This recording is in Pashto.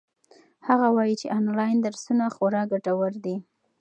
هغه وایي چې آنلاین درسونه خورا ګټور دي.